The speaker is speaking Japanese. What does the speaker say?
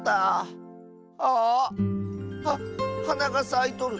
ああっ⁉ははながさいとる！